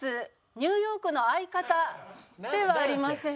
「ニューヨークの相方」ではありません。